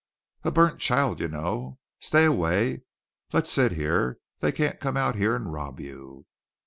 "A burnt child, you know. Stay away. Let's sit here. They can't come out here and rob you."